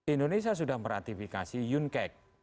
indonesia sudah meratifikasi yunkek